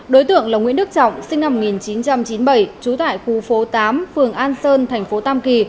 đối tượng là nguyễn đức trọng sinh năm một nghìn chín trăm chín mươi bảy trú tại khu phố tám phường an sơn thành phố tam kỳ